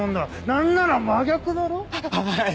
何なら真逆だろ？ははい。